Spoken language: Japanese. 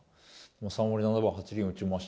３割７分８厘打ちました。